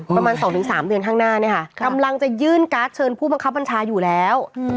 ประมาณ๒๓เดือนข้างหน้าเนี่ยค่ะกำลังจะยื่นการ์ดเชิญผู้บังคับบัญชาอยู่แล้ว